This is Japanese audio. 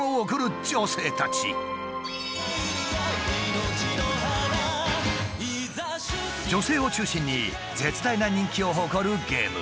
女性を中心に絶大な人気を誇るゲーム。